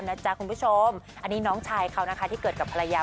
นี่คือน้องชายเค้าที่เกิดกับภรรยา